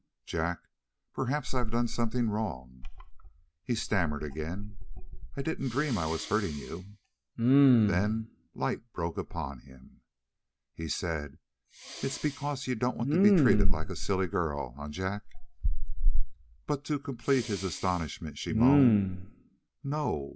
"Jack perhaps I've done something wrong " He stammered again: "I didn't dream I was hurting you " Then light broke upon him. He said: "It's because you don't want to be treated like a silly girl; eh, Jack?" But to complete his astonishment she moaned: "N n no!